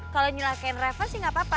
kalau nyelakain reva sih gapapa